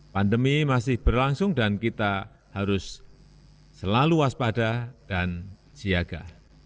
pandemi masih berlangsung dan kita harus selalu waspada dan siaga